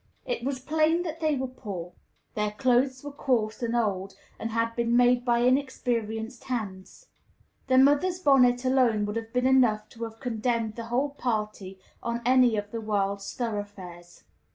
It was plain that they were poor; their clothes were coarse and old, and had been made by inexperienced hands. The mother's bonnet alone would have been enough to have condemned the whole party on any of the world's thoroughfares.